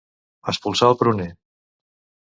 Espolsar el pruner.